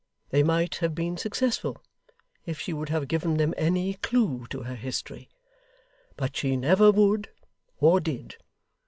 They might have been successful, if she would have given them any clue to her history. But she never would, or did.